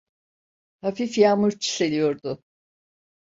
Hafif yağmur çiseliyordu.